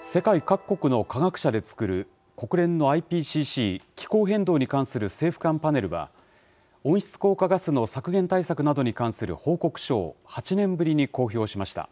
世界各国の科学者で作る国連のＩＰＣＣ・気候変動に関する政府間パネルは、温室効果ガスの削減対策などに関する報告書を８年ぶりに公表しました。